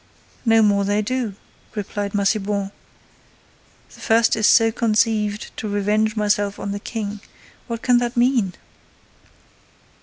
"No more they do," replied Massiban. "'The first is so conceived to revenge myself on the King—' What can that mean?"